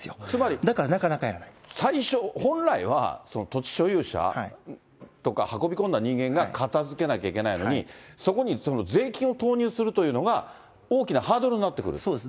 だからなかなかやらない。最初、本来は土地所有者とか運び込んだ人間が片づけなきゃいけないのに、そこに税金を投入するというのが、大きなハードルにそうですね。